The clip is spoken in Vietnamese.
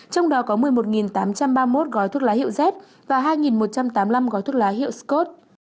trong đó có một mươi một tám trăm ba mươi một gói thuốc lá hiệu z và hai một trăm tám mươi năm gói thuốc lá hiệu scot